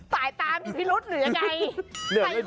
สายตามีพิรุษหรือยังไง